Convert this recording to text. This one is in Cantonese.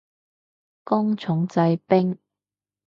工場製冰